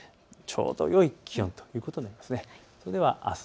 ちょうどよい気温ということになります。